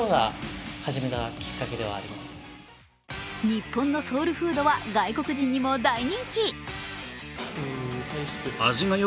日本のソウルフードは外国人にも大人気。